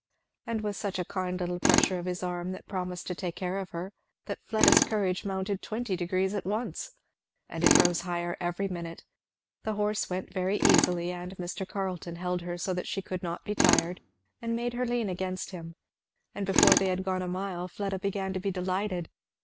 and with such a kind little pressure of his arm that promised to take care of her, that Fleda's courage mounted twenty degrees at once. And it rose higher every minute; the horse went very easily, and Mr. Carleton held her so that she could not be tired, and made her lean against him; and before they had gone a mile Fleda began to be delighted.